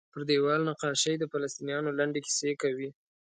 پر دیوال نقاشۍ د فلسطینیانو لنډې کیسې کوي.